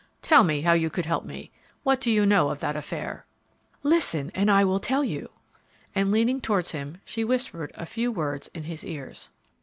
"Tell me how you could help me. What do you know of that affair?" "Listen, and I will tell you," and leaning towards him, she whispered a few words in his ears.